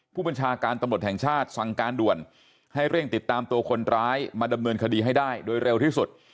ผู้บัญชาการตำรวจแห่งชาติสั่งการด่วนให้เร่งติดตามตัวคนร้ายมาดำเนินคดีให้ได้โดยเร็วที่สุด